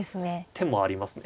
手もありますね。